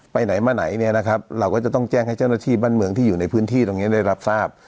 ไปไหนมาไหนเนี่ยนะครับเราก็จะต้องแจ้งให้เจ้าหน้าที่บ้านเมืองที่อยู่ในพื้นที่ตรงนี้ได้รับทราบ